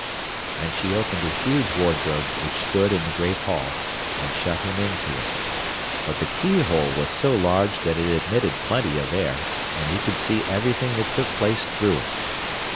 And she opened a huge wardrobe which stood in the great hall, and shut him into it. But the keyhole was so large that it admitted plenty of air, and he could see everything that took place through it.